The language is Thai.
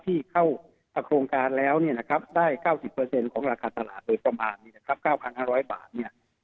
ที่เข้าโครงการแล้วได้๙๐ของราคาตลาดโดยประมาณ๙๕๐๐บาท